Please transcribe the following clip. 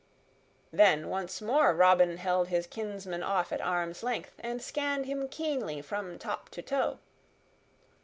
Then once more Robin held his kinsman off at arm's length and scanned him keenly from top to toe.